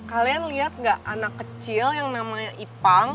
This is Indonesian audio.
kalian lihat gak anak kecil yang namanya ipang